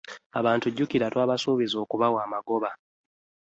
Abantu jjukira twabasuubiza okubawa amagoba.